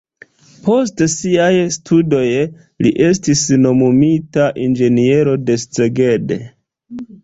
Post siaj studoj li estis nomumita inĝeniero de Szeged.